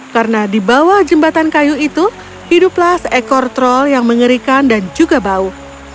karena di bawah jembatan kayu itu hiduplah seekor troll yang mengerikan dan juga bau